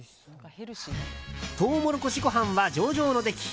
トウモロコシご飯は上々の出来。